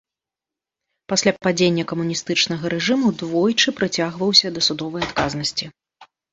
Пасля падзення камуністычнага рэжыму двойчы прыцягваўся да судовай адказнасці.